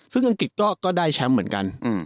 ซึ่งอังกฤษก็ได้แชมป์เหมือนกัน